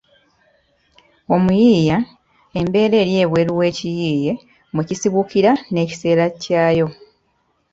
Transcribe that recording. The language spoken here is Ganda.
omuyiiya, embeera eri ebwelu w’ekiyiiye mwe kisibukira n’ekiseera kyayo.